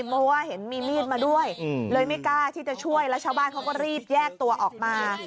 เพราะว่าเห็นมีมีดมาด้วยเลยไม่กล้าที่จะช่วยแล้วชาวบ้านเขาก็รีบแยกตัวออกมา